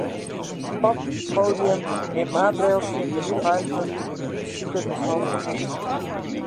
It poppoadium nimt maatregels tsjin de befeiliger dy't in besiker mishannele hat.